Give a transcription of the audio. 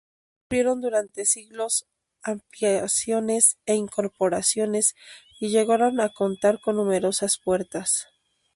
Sufrieron durante siglos ampliaciones e incorporaciones, y llegaron a contar con numerosas puertas.